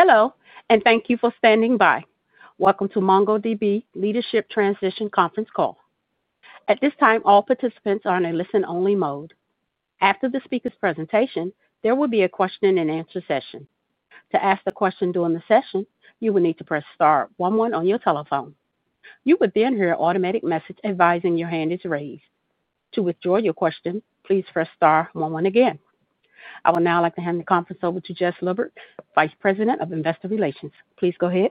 Hello, and thank you for standing by. Welcome to MongoDB leadership transition conference call. At this time, all participants are in a listen-only mode. After the speaker's presentation, there will be a question-and-answer session. To ask a question during the session, you will need to press star one-one on your telephone. You will then hear an automatic message advising your hand is raised. To withdraw your question, please press star one-one again. I would now like to hand the conference over to Jess Lubbert, Vice President of Investor Relations. Please go ahead.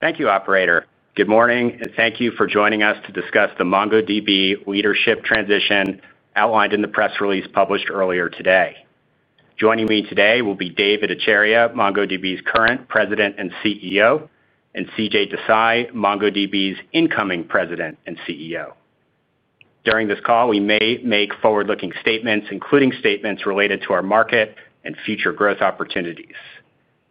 Thank you, Operator. Good morning, and thank you for joining us to discuss the MongoDB leadership transition outlined in the press release published earlier today. Joining me today will be Dev Ittycheria, MongoDB's current President and CEO, and CJ Desai, MongoDB's incoming President and CEO. During this call, we may make forward-looking statements, including statements related to our market and future growth opportunities.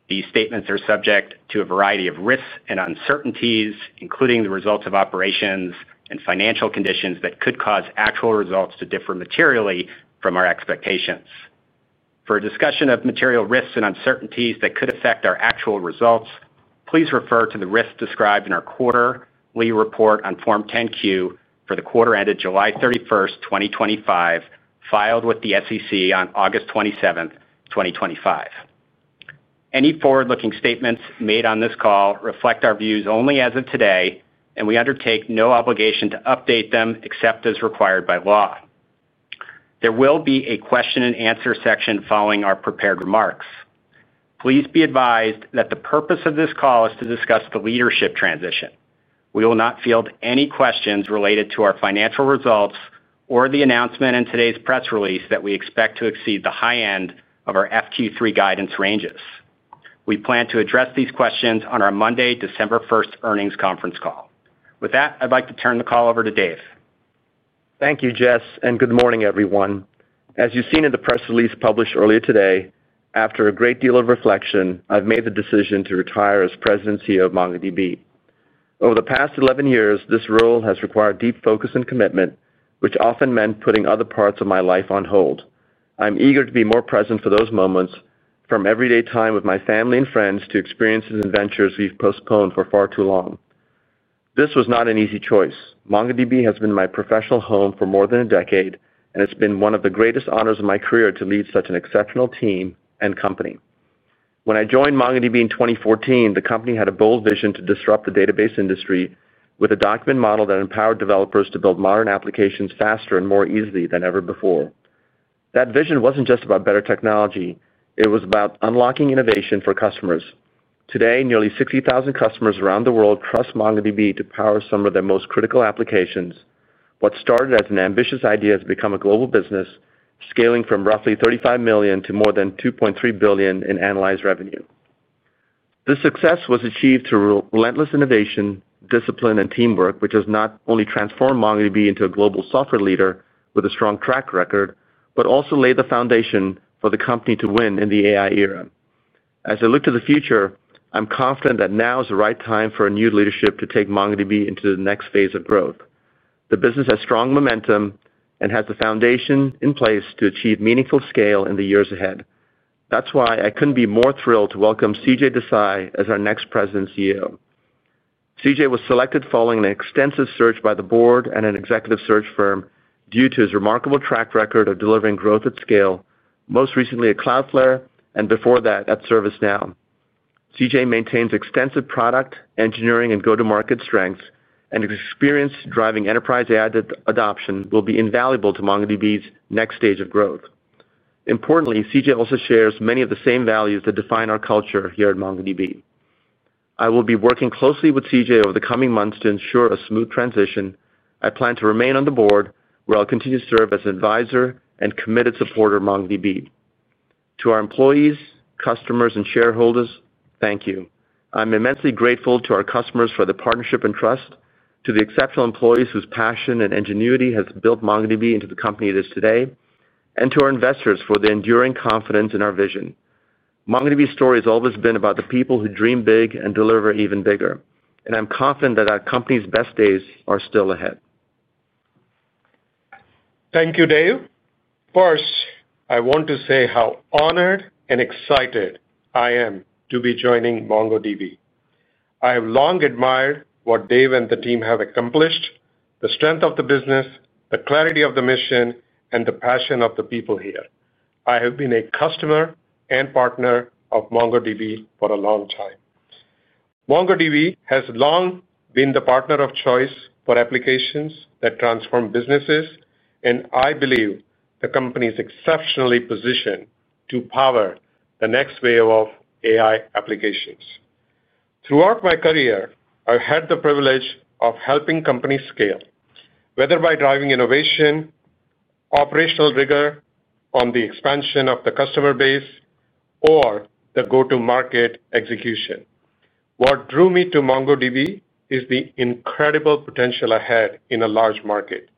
These statements are subject to a variety of risks and uncertainties, including the results of operations and financial conditions that could cause actual results to differ materially from our expectations. For a discussion of material risks and uncertainties that could affect our actual results, please refer to the risks described in our quarterly report on Form 10-Q for the quarter ended July 31st, 2025, filed with the SEC on August 27th, 2025. Any forward-looking statements made on this call reflect our views only as of today, and we undertake no obligation to update them except as required by law. There will be a question-and-answer section following our prepared remarks. Please be advised that the purpose of this call is to discuss the leadership transition. We will not field any questions related to our financial results or the announcement in today's press release that we expect to exceed the high end of our FQ3 guidance ranges. We plan to address these questions on our Monday, December 1st, earnings conference call. With that, I'd like to turn the call over to Dev. Thank you, Jess, and good morning, everyone. As you've seen in the press release published earlier today, after a great deal of reflection, I've made the decision to retire as President and CEO of MongoDB. Over the past 11 years, this role has required deep focus and commitment, which often meant putting other parts of my life on hold. I'm eager to be more present for those moments, from everyday time with my family and friends to experiences and adventures we've postponed for far too long. This was not an easy choice. MongoDB has been my professional home for more than a decade, and it's been one of the greatest honors of my career to lead such an exceptional team and company. When I joined MongoDB in 2014, the company had a bold vision to disrupt the database industry with a document model that empowered developers to build modern applications faster and more easily than ever before. That vision wasn't just about better technology; it was about unlocking innovation for customers. Today, nearly 60,000 customers around the world trust MongoDB to power some of their most critical applications. What started as an ambitious idea has become a global business, scaling from roughly $35 million to more than $2.3 billion in analyzed revenue. This success was achieved through relentless innovation, discipline, and teamwork, which has not only transformed MongoDB into a global software leader with a strong track record but also laid the foundation for the company to win in the AI era. As I look to the future, I'm confident that now is the right time for a new leadership to take MongoDB into the next phase of growth. The business has strong momentum and has the foundation in place to achieve meaningful scale in the years ahead. That's why I couldn't be more thrilled to welcome CJ Desai as our next President and CEO. CJ was selected following an extensive search by the board and an executive search firm due to his remarkable track record of delivering growth at scale, most recently at Cloudflare and before that at ServiceNow. CJ maintains extensive product engineering and go-to-market strengths, and his experience driving enterprise adoption will be invaluable to MongoDB's next stage of growth. Importantly, CJ also shares many of the same values that define our culture here at MongoDB. I will be working closely with CJ over the coming months to ensure a smooth transition. I plan to remain on the board, where I'll continue to serve as an advisor and committed supporter of MongoDB. To our employees, customers, and shareholders, thank you. I'm immensely grateful to our customers for the partnership and trust, to the exceptional employees whose passion and ingenuity have built MongoDB into the company it is today, and to our investors for the enduring confidence in our vision. MongoDB's story has always been about the people who dream big and deliver even bigger, and I'm confident that our company's best days are still ahead. Thank you, Dev. First, I want to say how honored and excited I am to be joining MongoDB. I have long admired what Dev and the team have accomplished, the strength of the business, the clarity of the mission, and the passion of the people here. I have been a customer and partner of MongoDB for a long time. MongoDB has long been the partner of choice for applications that transform businesses, and I believe the company is exceptionally positioned to power the next wave of AI applications. Throughout my career, I've had the privilege of helping companies scale, whether by driving innovation, operational rigor on the expansion of the customer base, or the go-to-market execution. What drew me to MongoDB is the incredible potential ahead in a large market.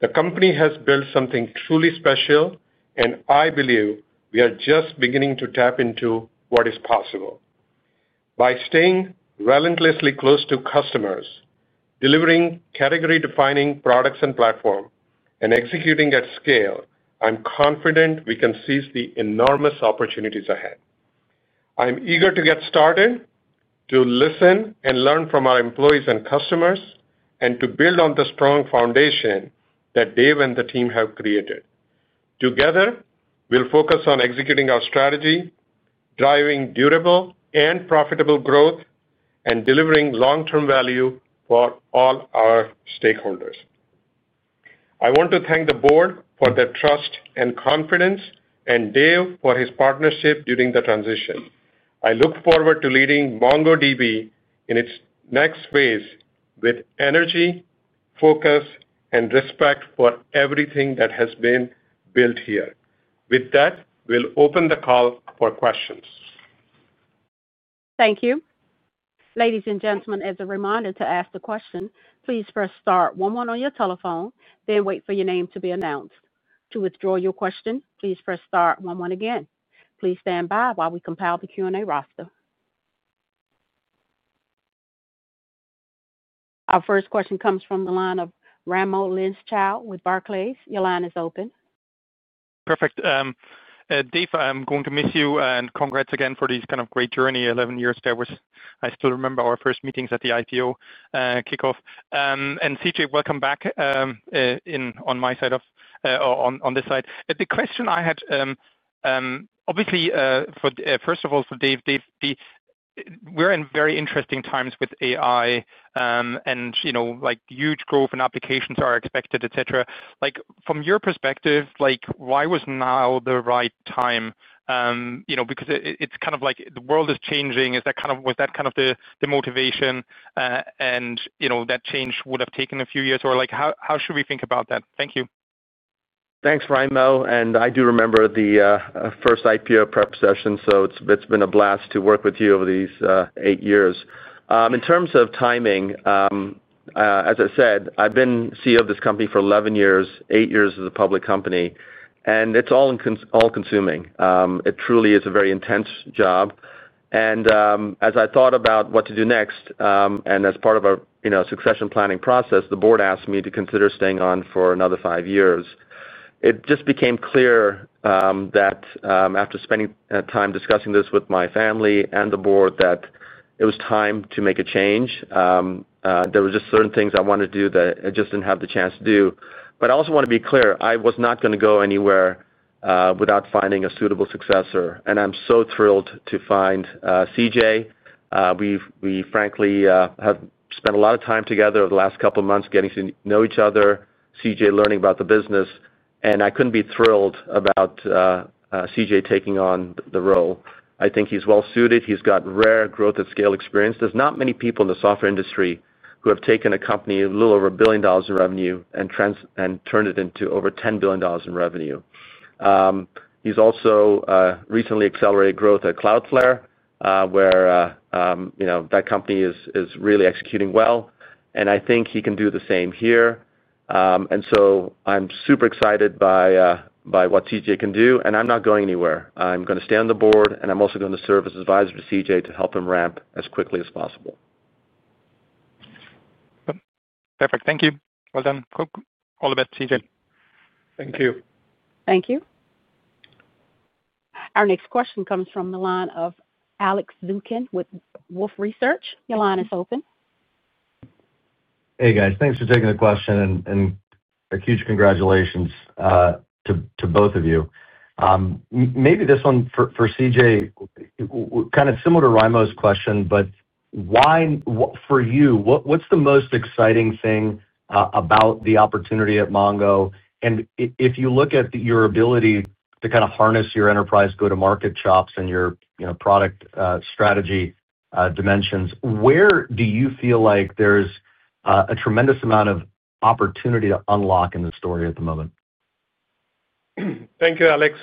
The company has built something truly special, and I believe we are just beginning to tap into what is possible. By staying relentlessly close to customers, delivering category-defining products and platforms, and executing at scale, I'm confident we can seize the enormous opportunities ahead. I'm eager to get started, to listen and learn from our employees and customers, and to build on the strong foundation that Dev and the team have created. Together, we'll focus on executing our strategy, driving durable and profitable growth, and delivering long-term value for all our stakeholders. I want to thank the board for their trust and confidence, and Dev for his partnership during the transition. I look forward to leading MongoDB in its next phase with energy, focus, and respect for everything that has been built here. With that, we'll open the call for questions. Thank you. Ladies and gentlemen, as a reminder to ask the question, please press star one-one on your telephone, then wait for your name to be announced. To withdraw your question, please press star one-one again. Please stand by while we compile the Q&A roster. Our first question comes from the line of Ramo Lins Chow with Barclays. Your line is open. Perfect. Dev, I'm going to miss you, and congrats again for this kind of great journey, 11 years back. I still remember our first meetings at the IPO kickoff. And CJ, welcome back on my side of, or on this side. The question I had. Obviously, first of all, for Dev, we're in very interesting times with AI ad huge growth in applications are expected, etc. From your perspective, why was now the right time? Because it's kind of like the world is changing. Was that kind of the motivation? And that change would have taken a few years, or how should we think about that? Thank you. Thanks, Ramo. I do remember the first IPO prep session, so it's been a blast to work with you over these eight years. In terms of timing, as I said, I've been CEO of this company for 11 years, eight years as a public company, and it's all-consuming. It truly is a very intense job. As I thought about what to do next, and as part of our succession planning process, the board asked me to consider staying on for another five years. It just became clear that after spending time discussing this with my family and the board, it was time to make a change. There were just certain things I wanted to do that I just didn't have the chance to do. I also want to be clear, I was not going to go anywhere without finding a suitable successor, and I'm so thrilled to find CJ. We, frankly, have spent a lot of time together over the last couple of months getting to know each other, CJ learning about the business, and I couldn't be more thrilled about CJ taking on the role. I think he's well-suited. He's got rare growth at scale experience. There's not many people in the software industry who have taken a company a little over a billion dollars in revenue and turned it into over $10 billion in revenue. He's also recently accelerated growth at Cloudflare, where that company is really executing well. I think he can do the same here. I am super excited by what CJ can do, and I'm not going anywhere. I'm going to stay on the board, and I'm also going to serve as advisor to CJ to help him ramp as quickly as possible. Perfect. Thank you. Well done. All the best, CJ. Thank you. Thank you. Our next question comes from the line of Alex Zukin with Wolfe Research. Your line is open. Hey, guys. Thanks for taking the question, and a huge congratulations to both of you. Maybe this one for CJ. Kind of similar to Ramo's question, but why for you, what's the most exciting thing about the opportunity at MongoDB? And if you look at your ability to kind of harness your enterprise go-to-market chops and your product strategy dimensions, where do you feel like there's a tremendous amount of opportunity to unlock in the story at the moment? Thank you, Alex.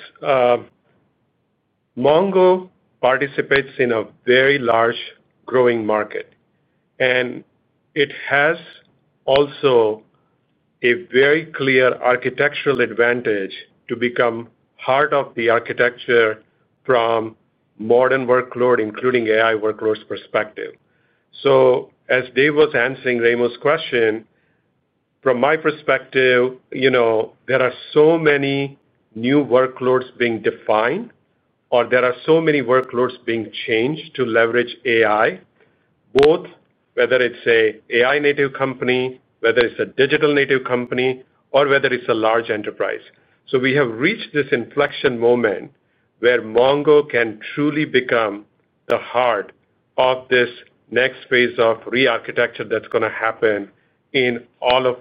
Mongo participates in a very large growing market. It has also a very clear architectural advantage to become part of the architecture from a modern workload, including AI workloads, perspective. As Dev was answering Ramo's question, from my perspective, there are so many new workloads being defined, or there are so many workloads being changed to leverage AI, both whether it's an AI-native company, whether it's a digital-native company, or whether it's a large enterprise. We have reached this inflection moment where MongoDB can truly become the heart of this next phase of re-architecture that's going to happen in all of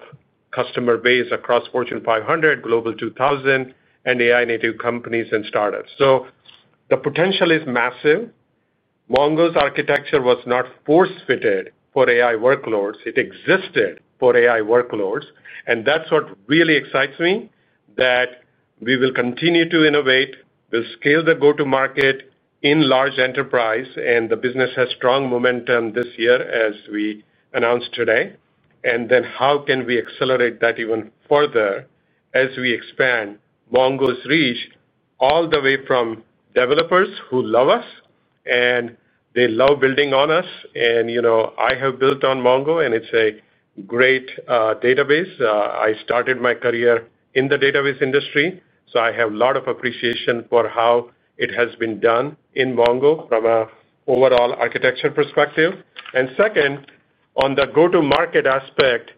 customer base across Fortune 500, Global 2000, and AI-native companies and start-ups. The potential is massive. MongoDB's architecture was not force-fitted for AI workloads. It existed for AI workloads. That's what really excites me, that we will continue to innovate, we'll scale the go-to-market in large enterprise, and the business has strong momentum this year, as we announced today. How can we accelerate that even further as we expand MongoDB's reach all the way from developers who love us, and they love building on us. I have built on MongoDB, and it's a great database. I started my career in the database industry, so I have a lot of appreciation for how it has been done in MongoDB from an overall architecture perspective. Second, on the go-to-market aspect,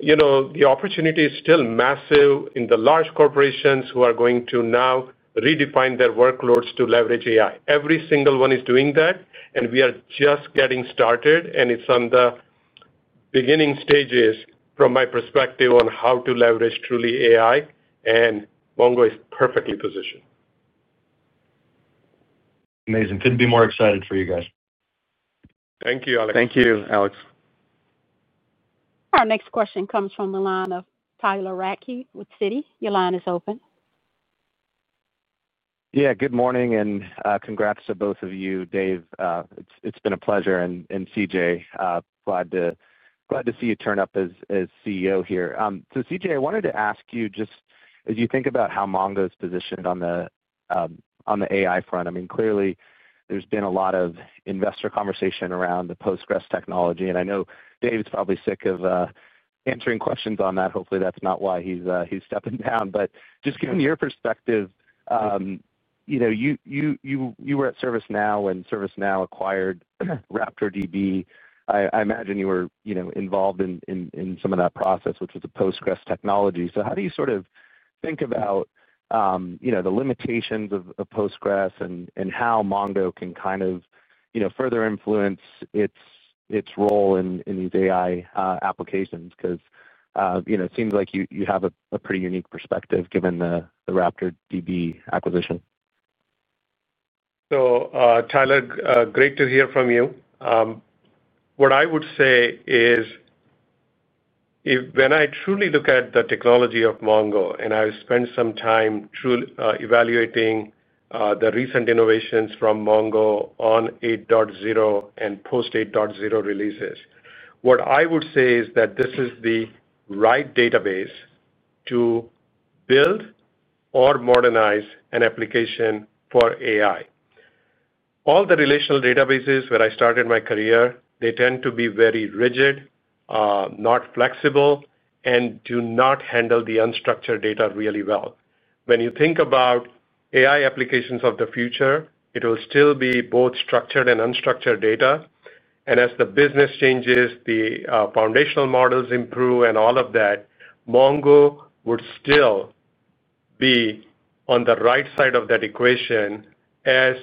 the opportunity is still massive in the large corporations who are going to now redefine their workloads to leverage AI. Every single one is doing that, and we are just getting started, and it's on the beginning stages from my perspective on how to leverage truly AI, and MongoDB is perfectly positioned. Amazing. Couldn't be more excited for you guys. Thank you, Alex. Thank you, Alex. Our next question comes from the line of Tyler Rackie with Citi. Your line is open. Yeah, good morning, and congrats to both of you, Dev. It's been a pleasure, and CJ, glad to see you turn up as CEO here. CJ, I wanted to ask you, just as you think about how MongoDB's positioned on the AI front, I mean, clearly, there's been a lot of investor conversation around the Postgres technology. I know Dev's probably sick of answering questions on that. Hopefully, that's not why he's stepping down. Just given your perspective, you were at ServiceNow, and ServiceNow acquired RaptorDB. I imagine you were involved in some of that process, which was the Postgres technology. How do you sort of think about the limitations of Postgres and how Mongo can kind of further influence its role in these AI applications? It seems like you have a pretty unique perspective given the RaptorDB acquisition. Tyler, great to hear from you. What I would say is, when I truly look at the technology of Mongo, and I spend some time evaluating the recent innovations from Mongo on 8.0 and post-8.0 releases, what I would say is that this is the right database to build or modernize an application for AI. All the relational databases where I started my career, they tend to be very rigid, not flexible, and do not handle the unstructured data really well. When you think about AI applications of the future, it will still be both structured and unstructured data. As the business changes, the foundational models improve, and all of that, Mongo would still be on the right side of that equation as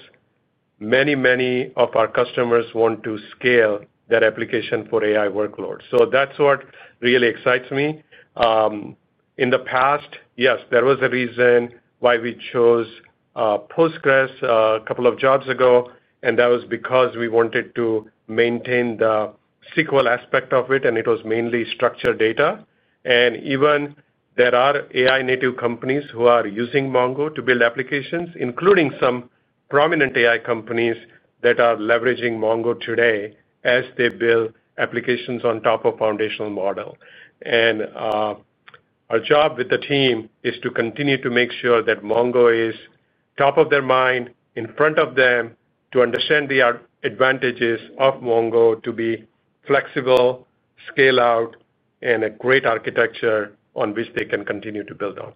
many, many of our customers want to scale that application for AI workloads. That is what really excites me. In the past, yes, there was a reason why we chose Postgres a couple of jobs ago, and that was because we wanted to maintain the SQL aspect of it, and it was mainly structured data. Even there are AI-native companies who are using Mongo to build applications, including some prominent AI companies that are leveraging Mongo today as they build applications on top of foundational models. Our job with the team is to continue to make sure that Mongo is top of their mind, in front of them, to understand the advantages of Mongo to be flexible, scale out, and a great architecture on which they can continue to build on.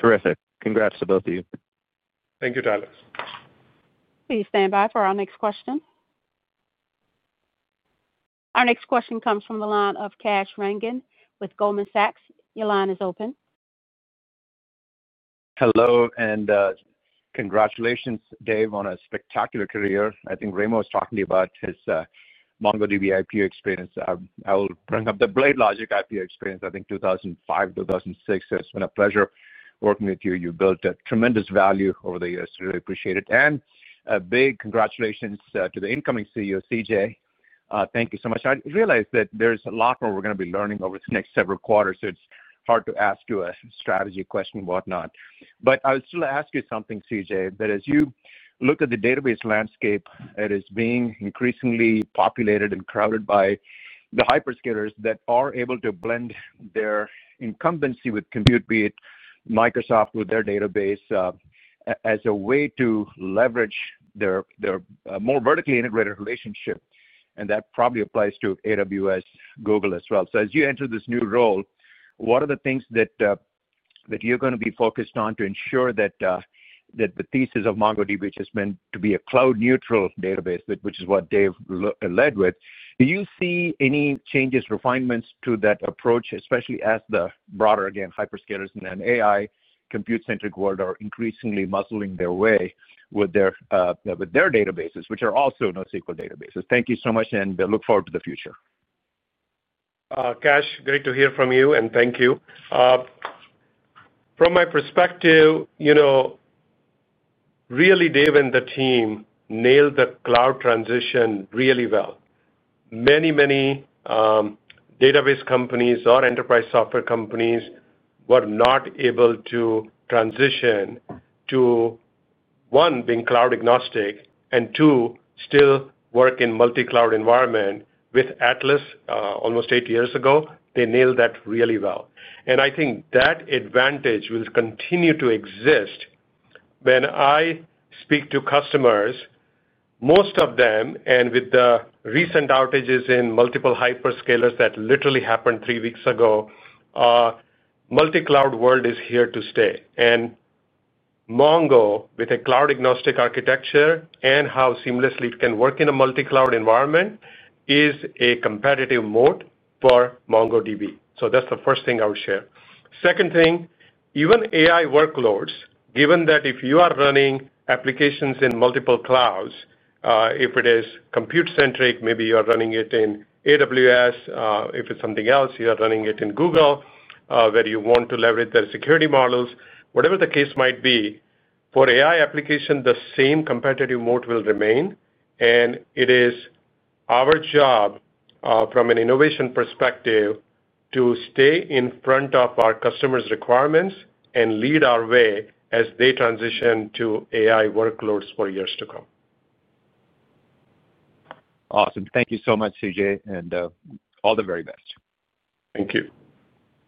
Terrific. Congrats to both of you. Thank you, Tyler. Please stand by for our next question. Our next question comes from the line of Kash Rangan with Goldman Sachs. Your line is open. Hello, and congratulations, Dev, on a spectacular career. I think Ramo was talking to you about his MongoDB IPO experience. I will bring up the BladeLogic IPO experience. I think 2005, 2006. It's been a pleasure working with you. You built tremendous value over the years, really appreciate it. A big congratulations to the incoming CEO, CJ. Thank you so much. I realize that there's a lot more we're going to be learning over the next several quarters, so it's hard to ask you a strategy question and whatnot. I'll still ask you something, CJ, that as you look at the database landscape, it is being increasingly populated and crowded by the hyperscalers that are able to blend their incumbency with ComputeBeat, Microsoft with their database as a way to leverage their more vertically integrated relationship. That probably applies to AWS, Google as well. As you enter this new role, what are the things that you're going to be focused on to ensure that the thesis of MongoDB, which has been to be a cloud-neutral database, which is what Dev led with, do you see any changes, refinements to that approach, especially as the broader, again, hyperscalers and AI compute-centric world are increasingly muscling their way with their databases, which are also NoSQL databases? Thank you so much, and we look forward to the future. Cash, great to hear from you, and thank you. From my perspective, really, Dev and the team nailed the cloud transition really well. Many database companies or enterprise software companies were not able to transition to, one, being cloud-agnostic, and two, still work in a multi-cloud environment with Atlas almost eight years ago. They nailed that really well. I think that advantage will continue to exist. When I speak to customers, most of them, and with the recent outages in multiple hyperscalers that literally happened three weeks ago, multi-cloud world is here to stay. Mongo, with a cloud-agnostic architecture and how seamlessly it can work in a multi-cloud environment, is a competitive moat for MongoDB. That is the first thing I would share. Second thing, even AI workloads, given that if you are running applications in multiple clouds, if it is compute-centric, maybe you are running it in AWS. If it is something else, you are running it in Google, where you want to leverage their security models. Whatever the case might be, for AI applications, the same competitive moat will remain. It is our job, from an innovation perspective, to stay in front of our customers' requirements and lead our way as they transition to AI workloads for years to come. Awesome. Thank you so much, CJ, and all the very best. Thank you.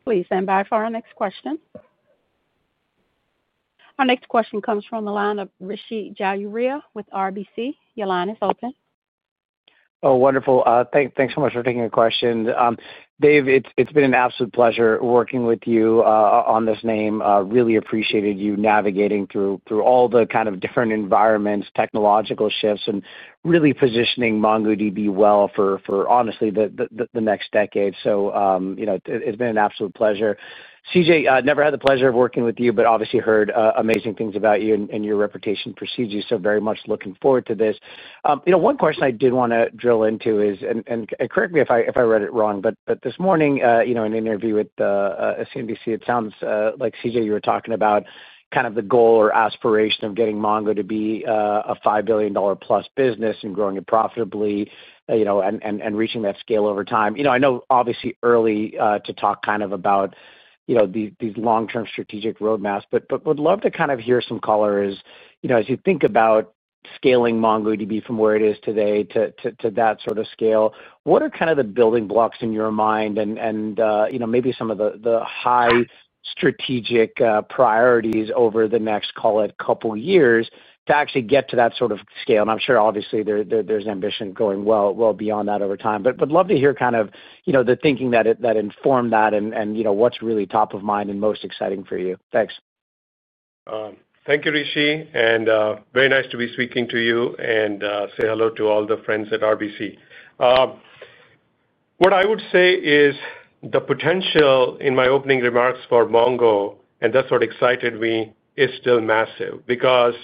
Please stand by for our next question. Our next question comes from the line of Rishi Jayuriya with RBC Capital Markets. Your line is open. Oh, wonderful. Thanks so much for taking the question. Dev, it's been an absolute pleasure working with you on this name. Really appreciated you navigating through all the kind of different environments, technological shifts, and really positioning MongoDB well for, honestly, the next decade. It's been an absolute pleasure. CJ, I never had the pleasure of working with you, but obviously heard amazing things about you and your reputation for CJ. Very much looking forward to this. One question I did want to drill into is, and correct me if I read it wrong, but this morning in an interview with CNBC, it sounds like CJ, you were talking about kind of the goal or aspiration of getting Mongo to be a $5+ billion business and growing it profitably and reaching that scale over time. I know, obviously, early to talk kind of about these long-term strategic roadmaps, but would love to kind of hear some color as you think about scaling MongoDB from where it is today to that sort of scale, what are kind of the building blocks in your mind and maybe some of the high strategic priorities over the next, call it, couple of years to actually get to that sort of scale? I'm sure, obviously, there's ambition going well beyond that over time, but would love to hear kind of the thinking that informed that and what's really top of mind and most exciting for you. Thanks. Thank you, Rishi. Very nice to be speaking to you and say hello to all the friends at RBC. What I would say is the potential in my opening remarks for Mongo, and that's what excited me, is still massive because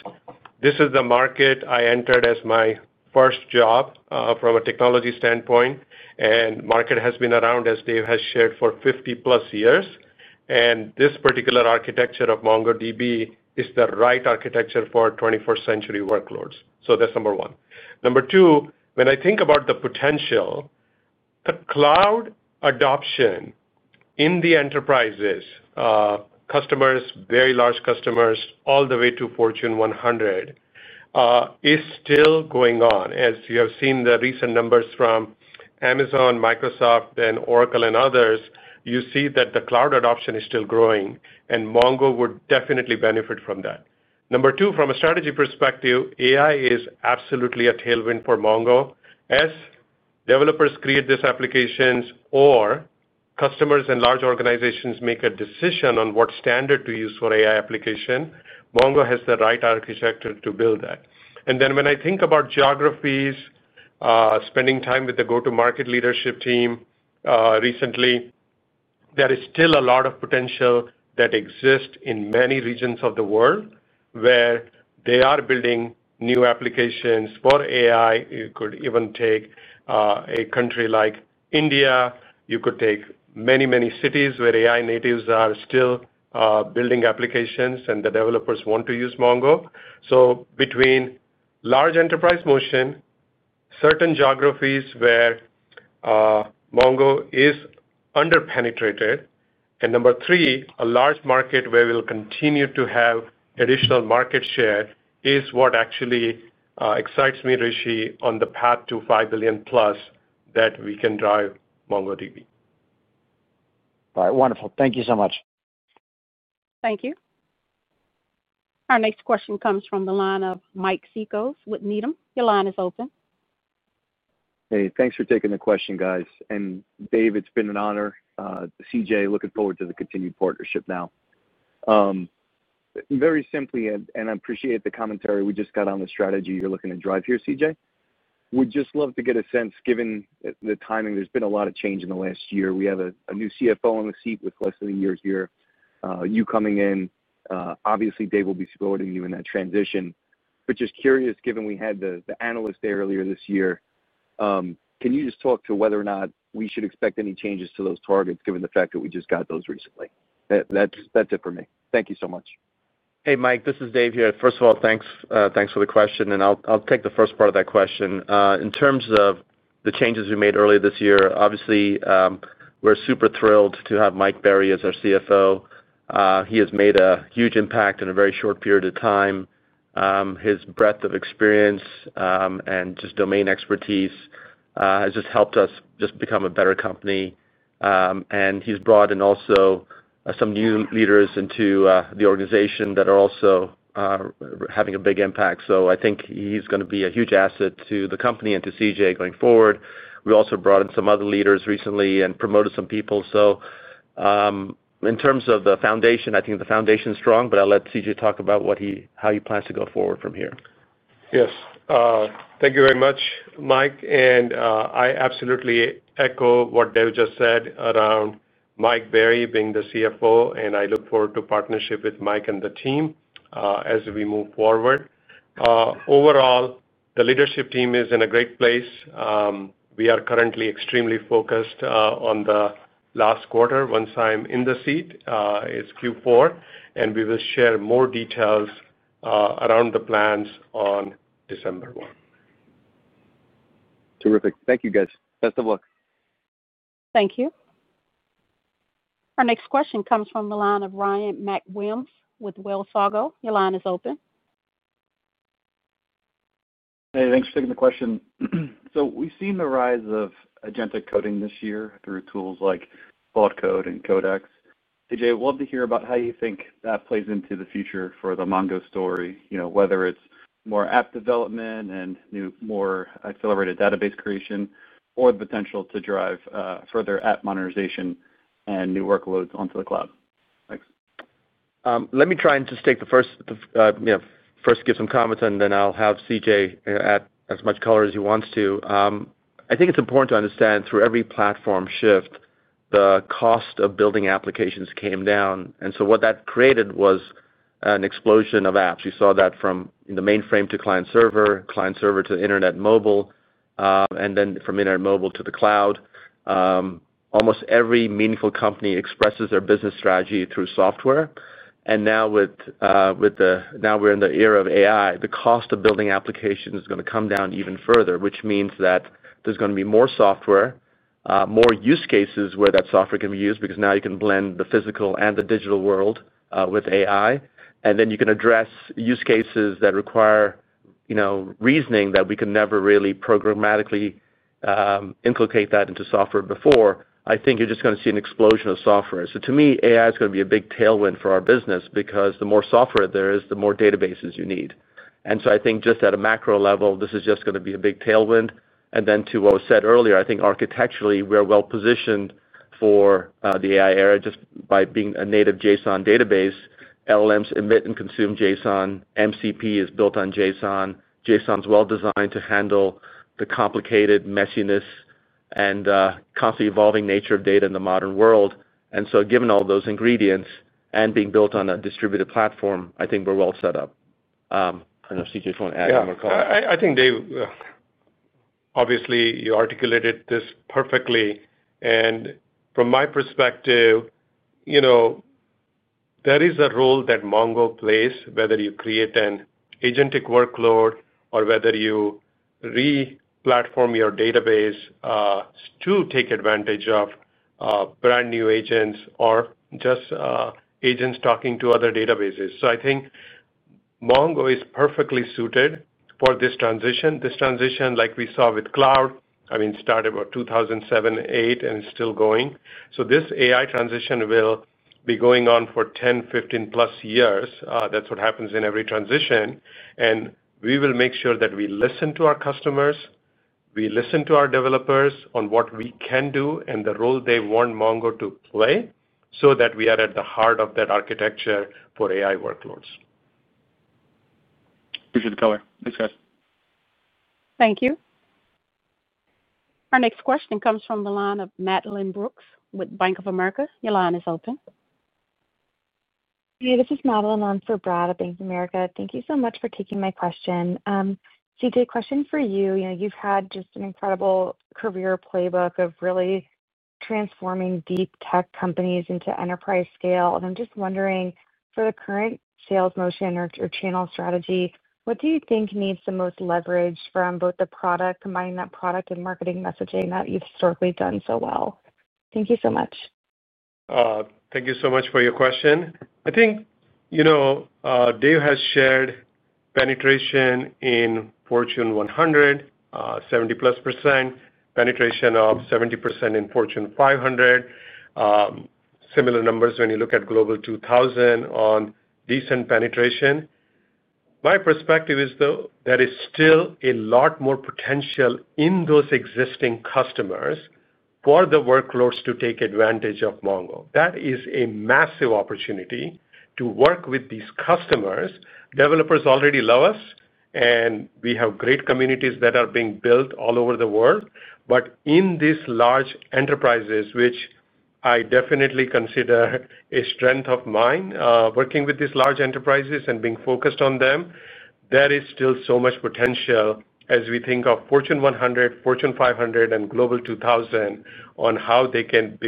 this is the market I entered as my first job from a technology standpoint, and the market has been around, as Dev has shared, for 50+ years. This particular architecture of MongoDB is the right architecture for 21st-century workloads. That's number one. Number two, when I think about the potential, the cloud adoption in the enterprises, customers, very large customers, all the way to Fortune 100, is still going on. As you have seen the recent numbers from Amazon, Microsoft, and Oracle and others, you see that the cloud adoption is still growing, and Mongo would definitely benefit from that. Number two, from a strategy perspective, AI is absolutely a tailwind for Mongo. As developers create these applications or customers and large organizations make a decision on what standard to use for AI application, Mongo has the right architecture to build that. When I think about geographies, spending time with the go-to-market leadership team recently, there is still a lot of potential that exists in many regions of the world where they are building new applications for AI. You could even take a country like India. You could take many, many cities where AI natives are still building applications, and the developers want to use Mongo. Between large enterprise motion, certain geographies where Mongo is under-penetrated, and number three, a large market where we'll continue to have additional market share is what actually excites me, Rishi, on the path to $5+ billion that we can drive MongoDB. All right. Wonderful. Thank you so much. Thank you. Our next question comes from the line of Mike Cikos with Needham. Your line is open. Hey, thanks for taking the question, guys. And Dev, it's been an honor. CJ, looking forward to the continued partnership now. Very simply, and I appreciate the commentary. We just got on the strategy you're looking to drive here, CJ. We'd just love to get a sense, given the timing. There's been a lot of change in the last year. We have a new CFO on the seat with less than a year here, you coming in. Obviously, Dev will be supporting you in that transition. Just curious, given we had the analyst there earlier this year, can you just talk to whether or not we should expect any changes to those targets, given the fact that we just got those recently? That's it for me. Thank you so much. Hey, Mike, this is Dev here. First of all, thanks for the question, and I'll take the first part of that question. In terms of the changes we made earlier this year, obviously, we're super thrilled to have Mike Berry as our CFO. He has made a huge impact in a very short period of time. His breadth of experience and just domain expertise has just helped us just become a better company. And he's brought in also some new leaders into the organization that are also having a big impact. I think he's going to be a huge asset to the company and to CJ going forward. We also brought in some other leaders recently and promoted some people. In terms of the foundation, I think the foundation is strong, but I'll let CJ talk about how he plans to go forward from here. Yes. Thank you very much, Mike. I absolutely echo what Dev just said around Mike Berry being the CFO, and I look forward to partnership with Mike and the team as we move forward. Overall, the leadership team is in a great place. We are currently extremely focused on the last quarter. Once I'm in the seat, it's Q4, and we will share more details around the plans on December 1. Terrific. Thank you, guys. Best of luck. Thank you. Our next question comes from the line of [Ryan] with Wells Fargo. Your line is open. Hey, thanks for taking the question. We have seen the rise of agentic coding this year through tools like Vault Code and Codex. CJ, I would love to hear about how you think that plays into the future for the Mongo story, whether it is more app development and more accelerated database creation or the potential to drive further app modernization and new workloads onto the cloud. Thanks. Let me try and just take the first. Give some comments, and then I'll have CJ add as much color as he wants to. I think it's important to understand through every platform shift, the cost of building applications came down. What that created was an explosion of apps. You saw that from the mainframe to client server, client server to internet mobile, and then from internet mobile to the cloud. Almost every meaningful company expresses their business strategy through software. Now we're in the era of AI, the cost of building applications is going to come down even further, which means that there's going to be more software, more use cases where that software can be used because now you can blend the physical and the digital world with AI. You can address use cases that require reasoning that we can never really programmatically implicate that into software before. I think you're just going to see an explosion of software. To me, AI is going to be a big tailwind for our business because the more software there is, the more databases you need. I think just at a macro level, this is just going to be a big tailwind. To what was said earlier, I think architecturally we're well positioned for the AI era just by being a native JSON database. LLMs emit and consume JSON. MCP is built on JSON. JSON is well designed to handle the complicated messiness and constantly evolving nature of data in the modern world. Given all those ingredients and being built on a distributed platform, I think we're well set up. I don't know if CJ just wants to add one more comment. Yeah. I think, Dev. Obviously, you articulated this perfectly. And from my perspective, there is a role that Mongo plays, whether you create an agentic workload or whether you replatform your database to take advantage of brand new agents or just agents talking to other databases. I think Mongo is perfectly suited for this transition. This transition, like we saw with cloud, I mean, started about 2007, 2008, and it is still going. This AI transition will be going on for 10, 15+ years. That is what happens in every transition. We will make sure that we listen to our customers. We listen to our developers on what we can do and the role they want Mongo to play so that we are at the heart of that architecture for AI workloads. Appreciate the color. Thanks, guys. Thank you. Our next question comes from the line of Madeline Brooks with Bank of America. Your line is open. Hey, this is Madeline. I'm for Brad at Bank of America. Thank you so much for taking my question. CJ, question for you. You've had just an incredible career playbook of really transforming deep tech companies into enterprise scale. I'm just wondering, for the current sales motion or channel strategy, what do you think needs the most leverage from both the product, combining that product and marketing messaging that you've historically done so well? Thank you so much. Thank you so much for your question. I think. Dev has shared penetration in Fortune 100, 70%+, penetration of 70% in Fortune 500. Similar numbers when you look at Global 2000 on decent penetration. My perspective is, though, there is still a lot more potential in those existing customers for the workloads to take advantage of Mongo. That is a massive opportunity to work with these customers. Developers already love us, and we have great communities that are being built all over the world. In these large enterprises, which I definitely consider a strength of mine, working with these large enterprises and being focused on them, there is still so much potential as we think of Fortune 100, Fortune 500, and Global 2000 on how they can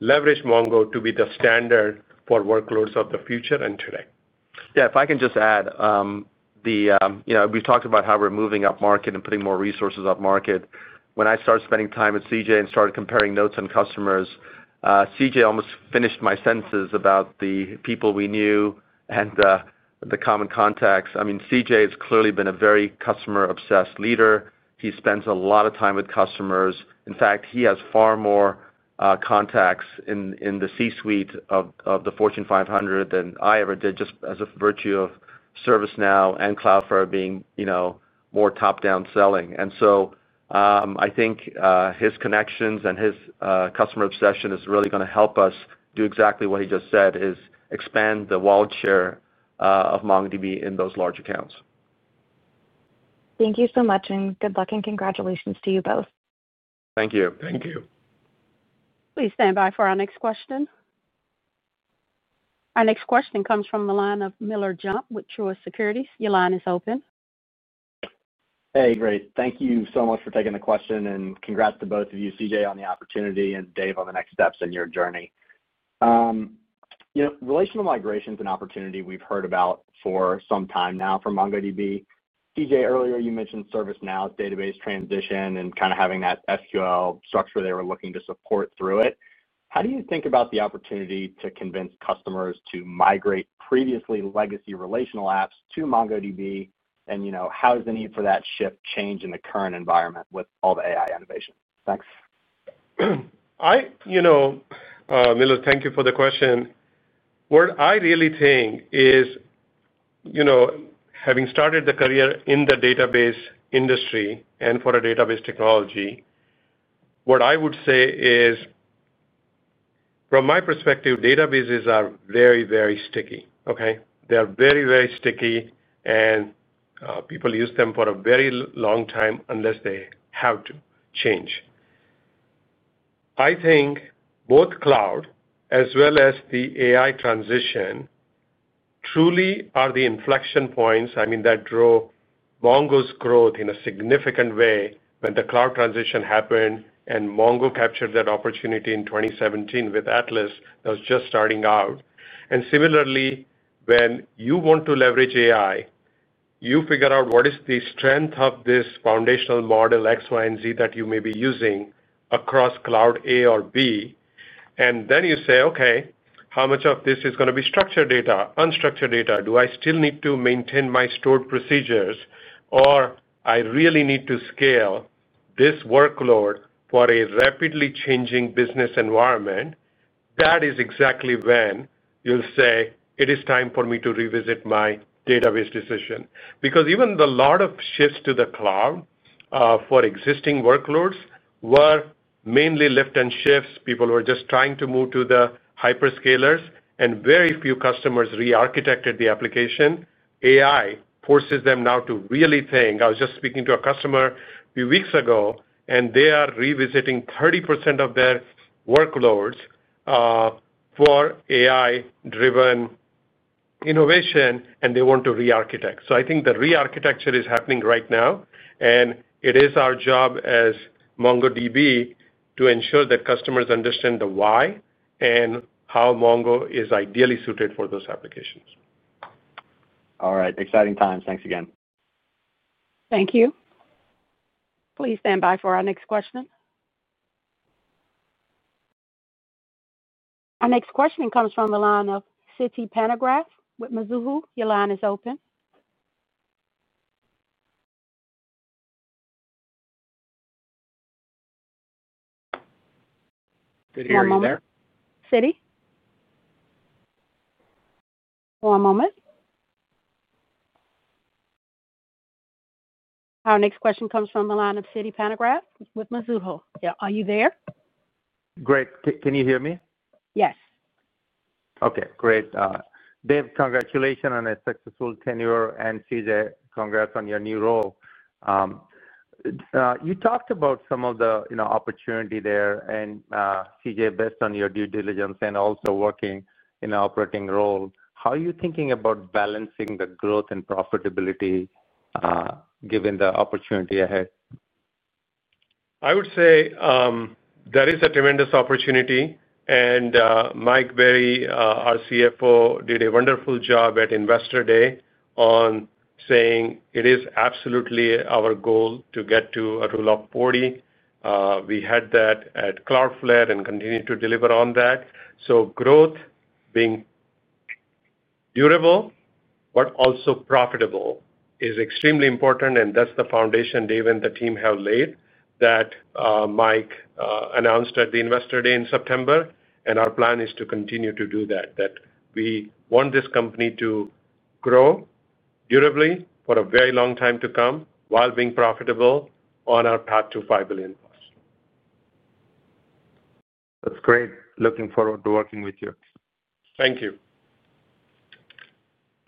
leverage Mongo to be the standard for workloads of the future and today. Yeah, if I can just add. We've talked about how we're moving up market and putting more resources up market. When I started spending time with CJ and started comparing notes on customers, CJ almost finished my sentences about the people we knew and the common contacts. I mean, CJ has clearly been a very customer-obsessed leader. He spends a lot of time with customers. In fact, he has far more contacts in the C-suite of the Fortune 500 than I ever did just as a virtue of ServiceNow and Cloudflare being more top-down selling. I think his connections and his customer obsession is really going to help us do exactly what he just said, is expand the wallet share of MongoDB in those large accounts. Thank you so much, and good luck and congratulations to you both. Thank you. Thank you. Please stand by for our next question. Our next question comes from the line of Miller Jump with Truist Securities. Your line is open. Hey, great. Thank you so much for taking the question, and congrats to both of you, CJ, on the opportunity and Dev on the next steps in your journey. Relational migration is an opportunity we've heard about for some time now for MongoDB. CJ, earlier you mentioned ServiceNow's database transition and kind of having that SQL structure they were looking to support through it. How do you think about the opportunity to convince customers to migrate previously legacy relational apps to MongoDB, and how has the need for that shift changed in the current environment with all the AI innovation? Thanks. Miller, thank you for the question. What I really think is, having started the career in the database industry and for a database technology, what I would say is, from my perspective, databases are very, very sticky. Okay? They are very, very sticky, and people use them for a very long time unless they have to change. I think both cloud as well as the AI transition truly are the inflection points, I mean, that drove Mongo's growth in a significant way when the cloud transition happened and Mongo captured that opportunity in 2017 with Atlas that was just starting out. Similarly, when you want to leverage AI, you figure out what is the strength of this foundational model X, Y, and Z that you may be using across cloud A or B. Then you say, "Okay, how much of this is going to be structured data, unstructured data? Do I still need to maintain my stored procedures, or I really need to scale this workload for a rapidly changing business environment?" That is exactly when you'll say, "It is time for me to revisit my database decision." Because even the lot of shifts to the cloud for existing workloads were mainly lift and shifts. People were just trying to move to the hyperscalers, and very few customers re-architected the application. AI forces them now to really think. I was just speaking to a customer a few weeks ago, and they are revisiting 30% of their workloads for AI-driven innovation, and they want to re-architect. I think the re-architecture is happening right now, and it is our job as MongoDB to ensure that customers understand the why and how Mongo is ideally suited for those applications. All right. Exciting times. Thanks again. Thank you. Please stand by for our next question. Our next question comes from the line of Siti Panigrahi with Mizuho Financial Group. Your line is open. Good evening. One moment. Siti? One moment. Our next question comes from the line of Siti Panigrahi with Mizuho. Yeah. Are you there? Great. Can you hear me? Yes. Okay. Great. Dev, congratulations on a successful tenure, and CJ, congrats on your new role. You talked about some of the opportunity there, and CJ, based on your due diligence and also working in an operating role, how are you thinking about balancing the growth and profitability given the opportunity ahead? I would say. That is a tremendous opportunity, and Mike Berry, our CFO, did a wonderful job at Investor Day on saying, "It is absolutely our goal to get to a rule of 40." We had that at Cloudflare and continue to deliver on that. Growth being durable but also profitable is extremely important, and that's the foundation Dev and the team have laid that Mike announced at the Investor Day in September, and our plan is to continue to do that, that we want this company to grow durably for a very long time to come while being profitable on our path to $5 billion. That's great. Looking forward to working with you. Thank you.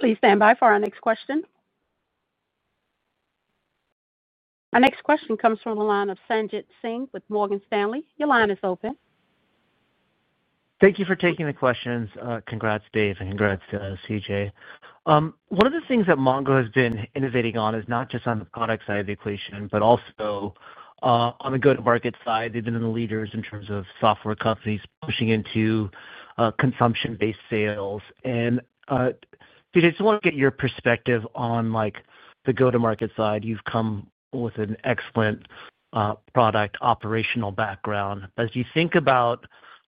Please stand by for our next question. Our next question comes from the line of Sanjit Singh with Morgan Stanley. Your line is open. Thank you for taking the questions. Congrats, Dev, and congrats to CJ. One of the things that MongoDB has been innovating on is not just on the product side of the equation, but also on the go-to-market side. They've been the leaders in terms of software companies pushing into consumption-based sales. CJ, I just want to get your perspective on the go-to-market side. You've come with an excellent product operational background. As you think about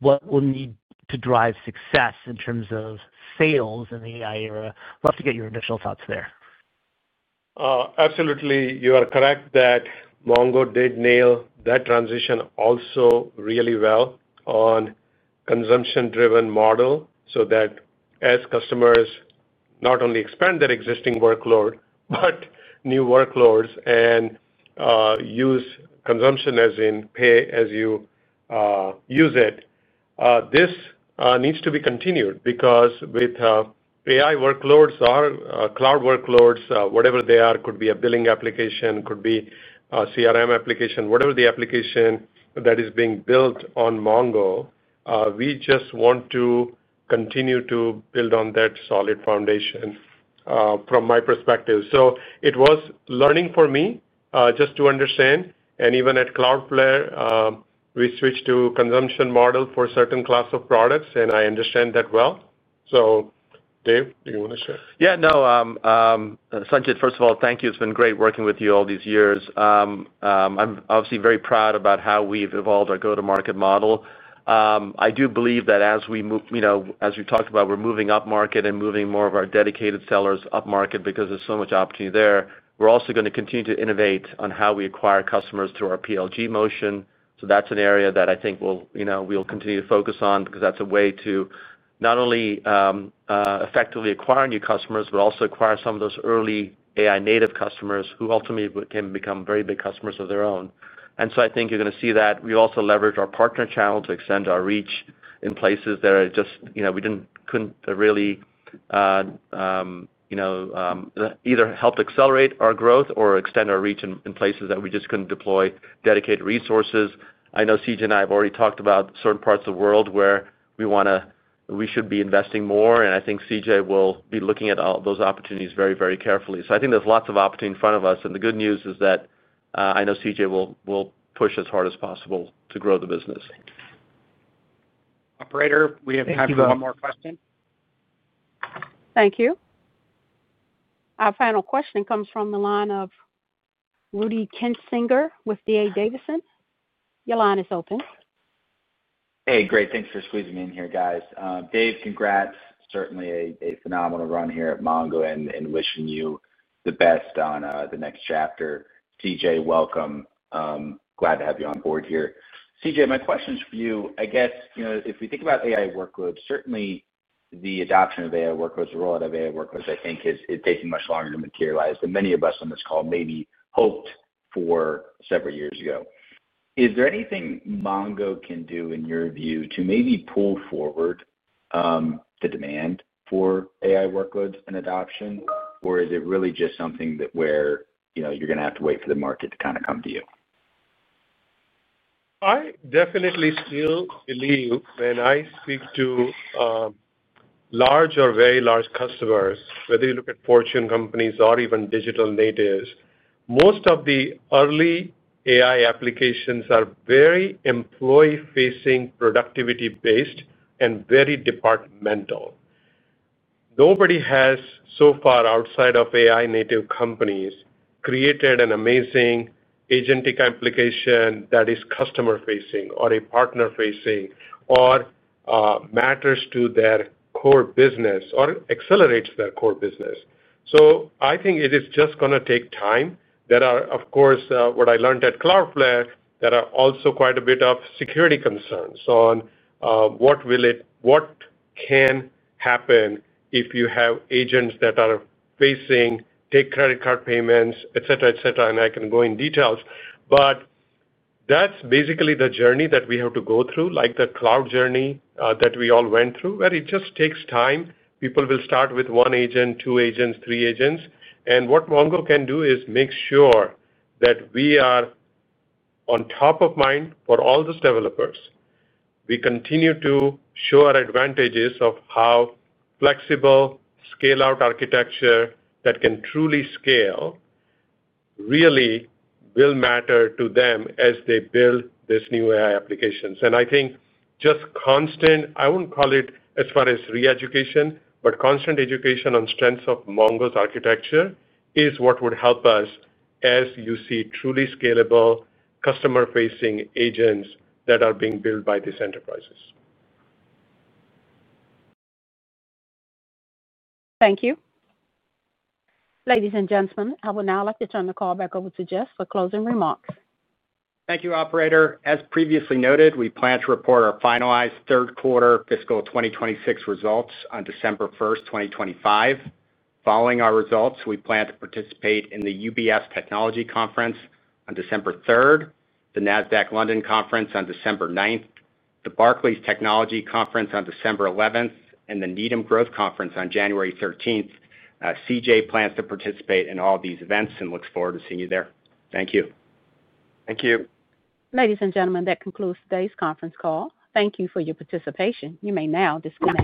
what will need to drive success in terms of sales in the AI era, I'd love to get your initial thoughts there. Absolutely. You are correct that Mongo did nail that transition also really well on a consumption-driven model so that as customers not only expand their existing workload but new workloads and use consumption as in pay as you use it. This needs to be continued because with AI workloads or cloud workloads, whatever they are, could be a billing application, could be a CRM application, whatever the application that is being built on Mongo, we just want to continue to build on that solid foundation from my perspective. So it was learning for me just to understand. And even at Cloudflare, we switched to a consumption model for a certain class of products, and I understand that well. So, Dev, do you want to share? Yeah. No. Sanjit, first of all, thank you. It's been great working with you all these years. I'm obviously very proud about how we've evolved our go-to-market model. I do believe that as we talked about, we're moving up market and moving more of our dedicated sellers up market because there's so much opportunity there. We're also going to continue to innovate on how we acquire customers through our PLG motion. That's an area that I think we'll continue to focus on because that's a way to not only effectively acquire new customers but also acquire some of those early AI-native customers who ultimately can become very big customers of their own. I think you're going to see that. We also leverage our partner channel to extend our reach in places that we couldn't really either help accelerate our growth or extend our reach in places that we just couldn't deploy dedicated resources. I know CJ and I have already talked about certain parts of the world where we want to, we should be investing more, and I think CJ will be looking at all those opportunities very, very carefully. I think there's lots of opportunity in front of us, and the good news is that I know CJ will push as hard as possible to grow the business. Operator, we have time for one more question. Thank you. Our final question comes from the line of Rudy Kensinger with D.A. Davidson. Your line is open. Hey, great. Thanks for squeezing me in here, guys. Dev, congrats. Certainly a phenomenal run here at Mongo and wishing you the best on the next chapter. CJ, welcome. Glad to have you on board here. CJ, my question is for you. I guess if we think about AI workloads, certainly the adoption of AI workloads, the rollout of AI workloads, I think, is taking much longer to materialize than many of us on this call maybe hoped for several years ago. Is there anything Mongo can do, in your view, to maybe pull forward the demand for AI workloads and adoption, or is it really just something where you're going to have to wait for the market to kind of come to you? I definitely still believe when I speak to large or very large customers, whether you look at Fortune companies or even digital natives, most of the early AI applications are very employee-facing, productivity-based, and very departmental. Nobody has so far, outside of AI-native companies, created an amazing agentic application that is customer-facing or partner-facing or matters to their core business or accelerates their core business. I think it is just going to take time. There are, of course, what I learned at Cloudflare, there are also quite a bit of security concerns on what will happen if you have agents that are facing, take credit card payments, etc., and I can go in details. That is basically the journey that we have to go through, like the cloud journey that we all went through, where it just takes time. People will start with one agent, two agents, three agents. What Mongo can do is make sure that we are on top of mind for all those developers. We continue to show our advantages of how flexible scale-out architecture that can truly scale really will matter to them as they build these new AI applications. I think just constant, I would not call it as far as re-education, but constant education on strengths of Mongo's architecture is what would help us as you see truly scalable customer-facing agents that are being built by these enterprises. Thank you. Ladies and gentlemen, I would now like to turn the call back over to Jess for closing remarks. Thank you, Operator. As previously noted, we plan to report our finalized third-quarter fiscal 2026 results on December 1st, 2025. Following our results, we plan to participate in the UBS Technology Conference on December 3rd, the Nasdaq London Conference on December 9th, the Barclays Technology Conference on December 11th, and the Needham Growth Conference on January 13th. CJ plans to participate in all these events and looks forward to seeing you there. Thank you. Thank you. Ladies and gentlemen, that concludes today's conference call. Thank you for your participation. You may now disconnect.